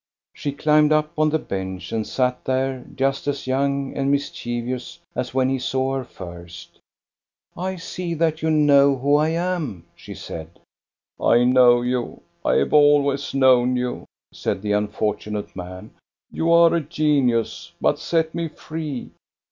She climbed up on the bench and sat there, just as young and mischievous as when he saw her first. "I see that you know who I am," she said. "I know you, I have always known you," said the unfortunate man ;" you are genius. But set me free